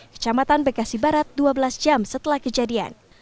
kecamatan bekasi barat dua belas jam setelah kejadian